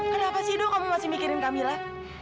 kenapa sih do kamu masih mikirin kamila